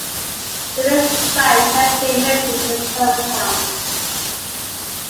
The Riggs Bank has been mentioned in some accounts.